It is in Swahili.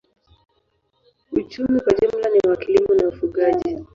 Uchumi kwa jumla ni wa kilimo na ufugaji.